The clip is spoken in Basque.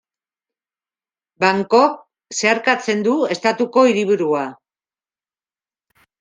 Bangkok zeharkatzen du, estatuko hiriburua.